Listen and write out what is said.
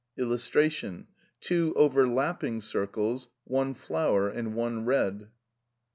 [Illustration: Two overlapping circles, one "flower" and one "red".